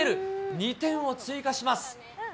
２点を追加します。